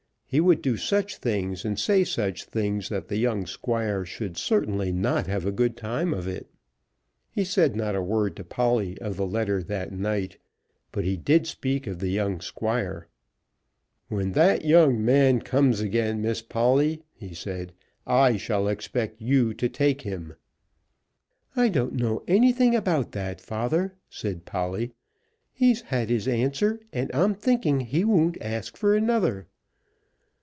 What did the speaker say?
He would do such things and say such things that the young Squire should certainly not have a good time of it. He said not a word to Polly of the letter that night, but he did speak of the young Squire. "When that young man comes again, Miss Polly," he said, "I shall expect you to take him." "I don't know anything about that, father," said Polly. "He's had his answer, and I'm thinking he won't ask for another."